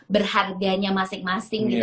berharganya masing masing gitu